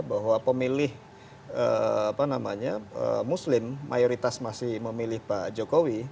bahwa pemilih muslim mayoritas masih memilih pak jokowi